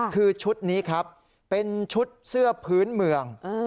คือชุดนี้ครับเป็นชุดเสื้อพื้นเมือง